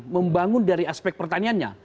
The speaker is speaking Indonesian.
membangun dari aspek pertaniannya